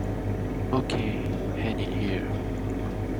Okay, hand it here.